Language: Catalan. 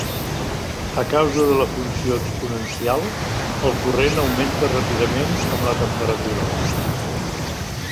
A causa de la funció exponencial el corrent augmenta ràpidament amb la temperatura.